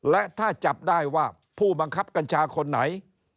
และถ้าจับได้ว่าผู้บังคับกัญชาคนไหน